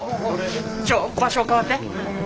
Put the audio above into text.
ちょ場所変わって。